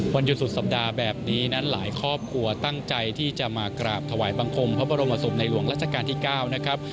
วันหยุดสุดสัปดาห์แบบนี้นั้นหลายครอบครัวตั้งใจที่จะมากราบถวายบังคมพระบรมศพในหลวงรัชกาลที่๙นะครับ